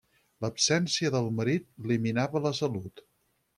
L’absència del marit li minava la salut.